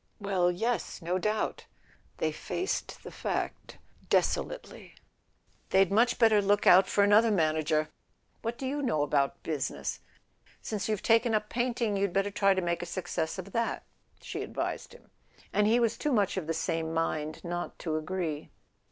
"Well, yes, no doubt " They faced the fact deso¬ lately. "They'd much better look out for another manager. What do you know about business ? Since you've taken up painting you'd better try to make a success of that," she advised him; and he was too much of the same mind not to agree.